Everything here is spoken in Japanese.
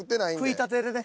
食いたてでね。